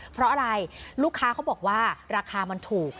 เพราะอะไรลูกค้าเขาบอกว่าราคามันถูก